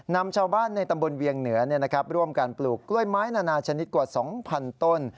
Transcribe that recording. นำชาวบ้านในตำบลเวียงเหนือร่วมการปลูกกล้วยไม้นานาชนิดกว่า๒๐๐๐ต้น